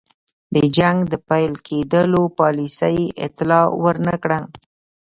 د جنګ د پیل کېدلو پالیسۍ اطلاع ور نه کړه.